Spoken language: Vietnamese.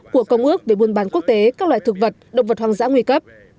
của công ước về buôn bán quốc tế các loại thực vật động vật hoang dã nguy cấp